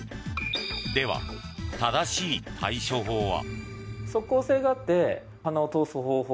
では、正しい対処法は？